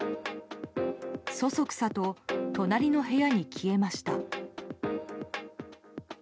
そそくさと隣の部屋へ消えました。